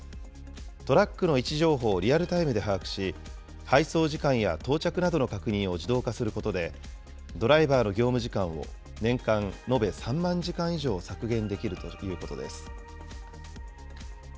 トラックの位置情報をリアルタイムで把握し、配送時間や到着などの確認を自動化することで、ドライバーの業務時間を年間延べ３万時間以上削減できるということです。